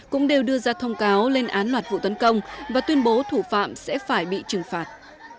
cũng đều đưa ra thông cáo lên án loạt vụ tấn công và tuyên bố thủ phạm sẽ phải bị trừng phạt